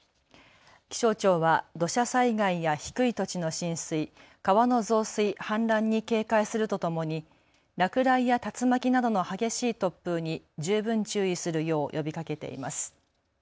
気象庁は土砂災害や低い土地の浸水、川の増水、氾濫に警戒するとともに落雷や竜巻などの激しい突風に十分注意するよう呼びかけています。